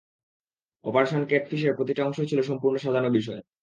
Operation ক্যাটফিশের প্রতিটা অংশই ছিল সম্পূর্ণ সাজানো বিষয়।